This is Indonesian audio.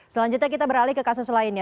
selanjutnya kita beralih ke kasus lainnya